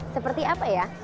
seperti apa ya